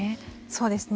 そうですね。